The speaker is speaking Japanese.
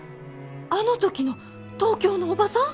あの時の東京の叔母さん！？